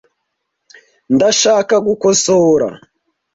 Ndashaka gukosora.